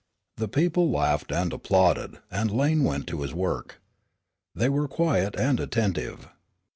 The people laughed and applauded, and Lane went to his work. They were quiet and attentive.